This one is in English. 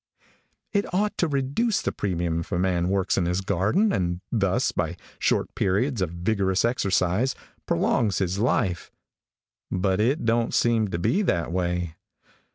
It ought to reduce the premium if a man works in his garden, and thus, by short periods of vigorous exercise, prolongs his life, but it don't seem to be that way.